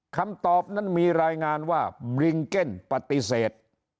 คำตอบนั้นมีรายงานว่าบริงเก็นปฏิเสธ